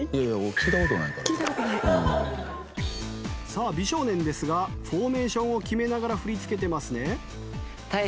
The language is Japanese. さあ美少年ですがフォーメーションを決めながら振り付けてますね。